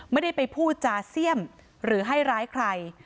ไม่ได้ไปพูดจาเสี่ยมหรือให้ร้ายใคร